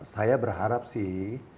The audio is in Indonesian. saya berharap sih